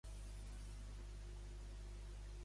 Assegura que el referèndum és una infracció?